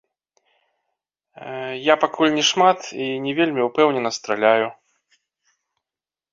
Я пакуль не шмат і не вельмі ўпэўнена страляю.